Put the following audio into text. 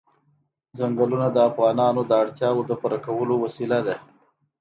چنګلونه د افغانانو د اړتیاوو د پوره کولو وسیله ده.